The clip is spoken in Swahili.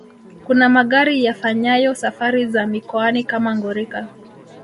Kuna magari yafanyayo safari za mikoani kama Ngorika